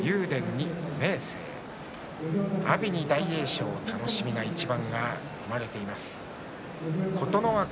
阿炎に大栄翔楽しみな一番が組まれています。